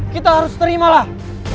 kita harus terimalah